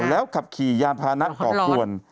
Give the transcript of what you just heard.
แล้วขับขี่ยานพานะก่อกวน